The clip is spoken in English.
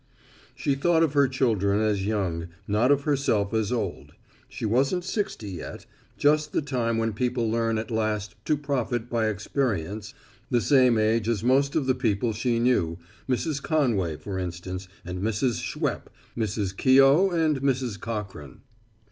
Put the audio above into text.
She thought of her children as young, not of herself as old. She wasn't sixty yet, just the time when people learn at last to profit by experience the same age as most of the people she knew, Mrs. Conway, for instance, and Mrs. Schweppe, Mrs. Keough and Mrs. Cochrane.